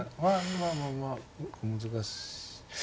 まあまあ難しい。